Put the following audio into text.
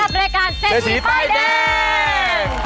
กับรายการเซฟวีป้ายแดง